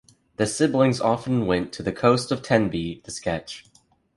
The siblings often went to the coast of Tenby to sketch.